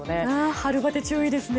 春バテ注意ですね。